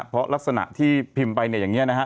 เพราะลักษณะที่พิมพ์ไปเนี่ยอย่างนี้นะฮะ